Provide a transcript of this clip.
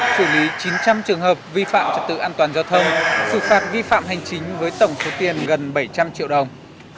xử lý chín trăm linh trường hợp vi phạm trật tự an toàn giao thông xử phạt vi phạm hành chính với tổng số tiền gần bảy trăm linh triệu đồng